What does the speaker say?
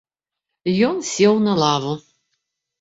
Ён сеў на лаву.